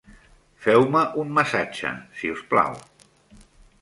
Feu-me un massatge, si us plau.